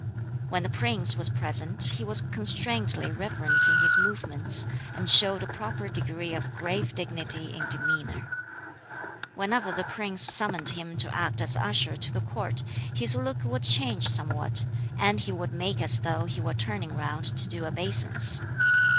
When the prince was present he was constrainedly reverent in his movements, and showed a proper degree of grave dignity in demeanor. Whenever the prince summoned him to act as usher to the Court, his look would change somewhat, and he would make as though he were turning round to do obeisance.